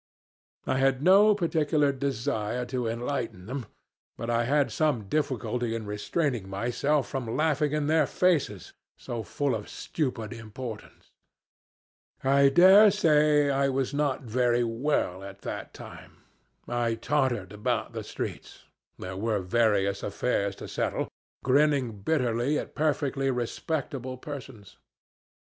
I had no particular desire to enlighten them, but I had some difficulty in restraining myself from laughing in their faces, so full of stupid importance. I dare say I was not very well at that time. I tottered about the streets there were various affairs to settle grinning bitterly at perfectly respectable persons.